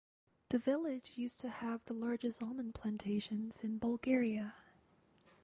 The village used to have the largest almond plantations in Bulgaria.